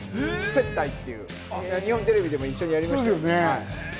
接待っていう日本テレビでも一緒にやりました。